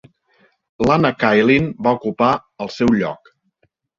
Lana Kaelin va ocupar el seu lloc.